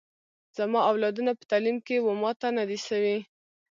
زما اولادونه په تعلیم کي و ماته نه دي سوي